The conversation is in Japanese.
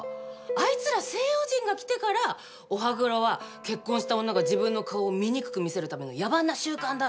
あいつら西洋人が来てから「お歯黒は結婚した女が自分の顔を醜く見せるための野蛮な習慣だ！」